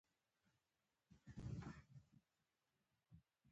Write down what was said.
ګلان ښایسته وي